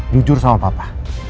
jujur sama papa